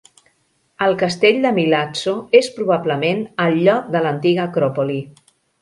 El castell de Milazzo és probablement al lloc de l'antiga acròpoli.